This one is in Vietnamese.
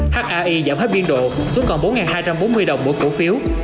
hi giảm hết biên độ xuống còn bốn hai trăm bốn mươi đồng mỗi cổ phiếu